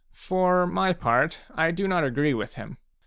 " For my part, I do not agree with him.